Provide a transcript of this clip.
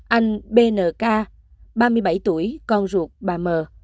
anh bnk ba mươi bảy tuổi con ruột bà mờ